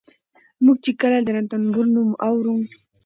موږ چې کله د رنتنبور نوم اورو